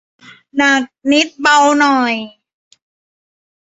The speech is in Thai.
หนักนิดเบาหน่อย